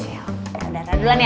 yaudah dah duluan ya